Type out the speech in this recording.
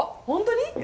本当に？